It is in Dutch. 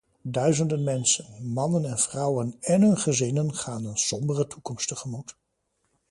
Duizenden mensen, mannen en vrouwen én hun gezinnen gaan een sombere toekomst tegemoet.